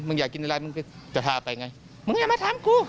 อยากกินอะไรมึงจะพาไปไงมึงอย่ามาถามกู